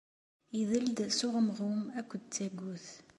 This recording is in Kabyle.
Idel-d s uɣemɣum akked tagut.